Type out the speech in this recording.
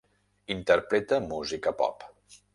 Interpreta música pop